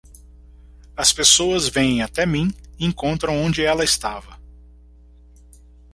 As pessoas vêm até mim e encontram onde ela estava.